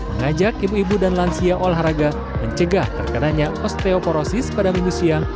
mengajak ibu ibu dan lansia olahraga mencegah terkenanya osteoporosis pada minggu siang